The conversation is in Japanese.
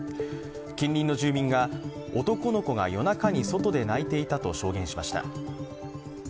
近隣の住民が男の子が夜中に外で泣いていたと証言しました。